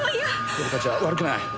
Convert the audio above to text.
俺たちは悪くない。